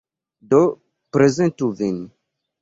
Do, prezentu vin!